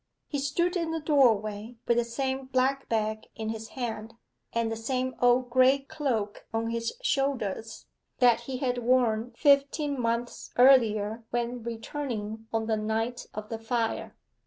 He stood in the doorway with the same black bag in his hand, and the same old gray cloak on his shoulders, that he had worn fifteen months earlier when returning on the night of the fire.